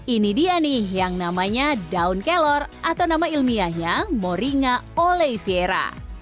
ini dia nih yang namanya daun kelor atau nama ilmiahnya moringa oleiviera